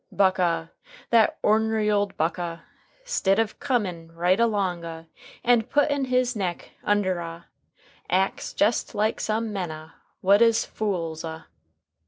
Buck ah, that ornery ole Buck ah, 'stid of comin' right along ah and puttin' his neck under ah, acts jest like some men ah what is fools ah.